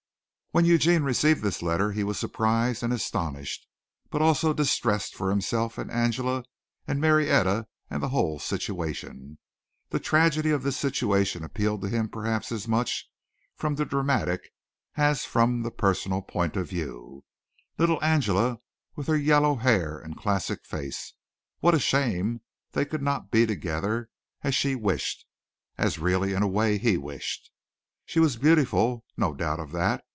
When Eugene received this letter he was surprised and astonished, but also distressed for himself and Angela and Marietta and the whole situation. The tragedy of this situation appealed to him perhaps as much from the dramatic as from the personal point of view. Little Angela, with her yellow hair and classic face. What a shame that they could not be together as she wished; as really, in a way, he wished. She was beautiful no doubt of that.